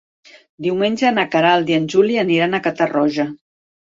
Diumenge na Queralt i en Juli aniran a Catarroja.